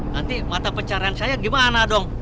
nanti mata pencarian saya gimana dong